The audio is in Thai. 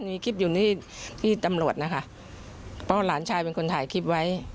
มีคลิปอยู่ที่ตำรวจนะคะเพราะหลานชายเป็นคนถ่ายคลิปไว้